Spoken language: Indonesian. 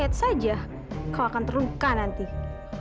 lihat saja kau akan terluka nanti